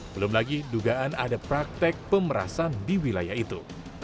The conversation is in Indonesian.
belum lagi dugaan ada praktek pemerasan di wilayah itu